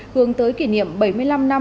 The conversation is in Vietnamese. hướng tới kỷ niệm bảy mươi năm năm